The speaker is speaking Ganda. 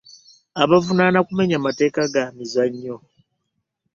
Abavunaana kumenya mateeka ga mizannyo.